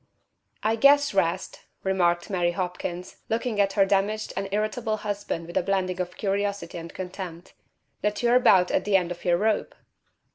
"I guess, 'Rast," remarked Mary Hopkins, looking at her damaged and irritable husband with a blending of curiosity and contempt, "that you're 'bout at the end of your rope."